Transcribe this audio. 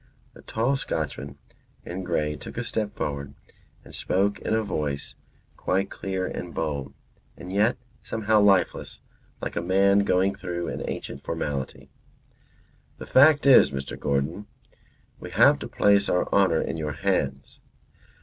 The tall Scotchman in grey took a step forward and spoke in a voice quite clear and bold, and yet somehow lifeless, like a man going through an ancient formality. "The fact is, Mr. Gordon, we have to place our honour in your hands.